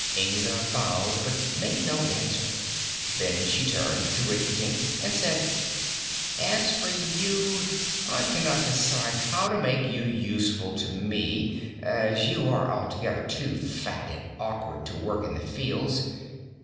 Inga bowed, but made no answer. Then she turned to Rinkitink and said: "As for you, I cannot decide how to make you useful to me, as you are altogether too fat and awkward to work in the fields.